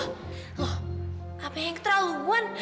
lho apa yang keterlaluan